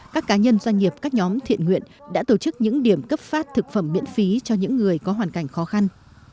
các cá nhân doanh nghiệp các nhóm thiện nguyện đã tổ chức những điểm cấp phát thực phẩm miễn phí cho những người có hoàn cảnh khó khăn